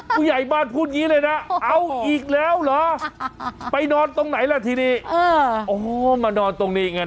ผู้ใหญ่บ้านพูดอย่างนี้เลยนะเอาอีกแล้วเหรอไปนอนตรงไหนล่ะทีนี้โอ้มานอนตรงนี้ไง